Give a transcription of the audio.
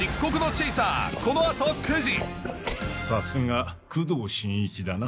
さすが工藤新一だな。